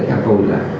theo tôi là